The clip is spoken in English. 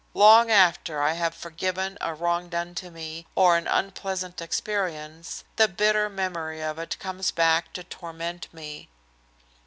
Long after I have forgiven a wrong done to me, or an unpleasant experience, the bitter memory of it comes back to torment me.